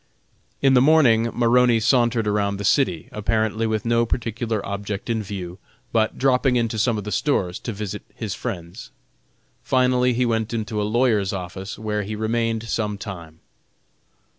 In the morning Maroney sauntered around the city, apparently with no particular object in view, but dropping into some of the stores to visit his friends. Finally he went into a lawyer's office where he remained some time.